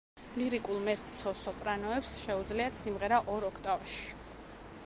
ლირიკულ მეცო-სოპრანოებს შეუძლიათ სიმღერა ორ ოქტავაში.